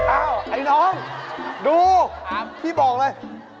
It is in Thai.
ไอ้น้องดูพี่บอกเลย